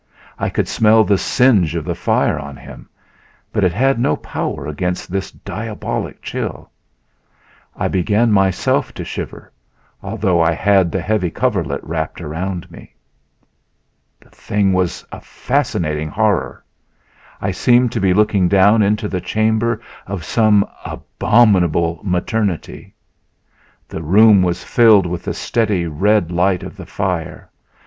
I could smell the singe of the fire on him, but it had no power against this diabolic chill. I began myself to shiver, although I had the heavy coverlet wrapped around me. The thing was a fascinating horror; I seemed to be looking down into the chamber of some abominable maternity. The room was filled with the steady red light of the fire.